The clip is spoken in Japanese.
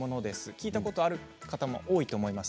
聞いたことがある方も多いと思います。